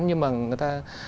nhưng mà người ta